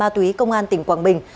tùy công an tỉnh quảng bình